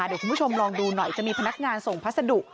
เดี๋ยวคุณผู้ชมลองดูหน่อยจะมีพนักงานส่งพัสดุ